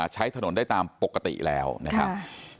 ใช้ถนนได้ตามปกติแล้วนะครับ